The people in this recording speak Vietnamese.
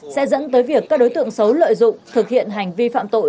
sẽ dẫn tới việc các đối tượng xấu lợi dụng thực hiện hành vi phạm tội